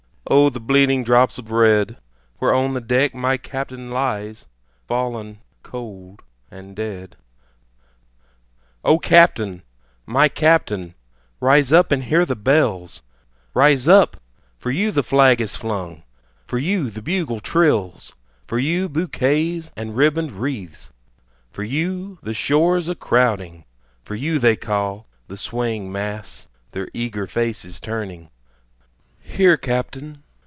O the bleeding drops of red, Where on the deck my Captain lies, Fallen cold and dead. O Captain! my Captain! rise up and hear the bells; Rise up for you the flag is flung for you the bugle trills, For you bouquets and ribbon'd wreaths for you the shores a crowding, For you they call, the swaying mass, their eager faces turning; Here Captain!